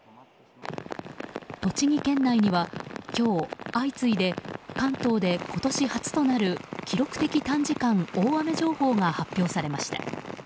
栃木県内には今日、相次いで関東で今年初となる記録的短時間大雨情報が発表されました。